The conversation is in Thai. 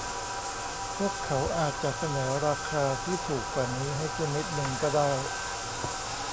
พวกเขาอาจจะเสนอราคาที่ถูกกว่านี้ให้คุณนิดนึงก็ได้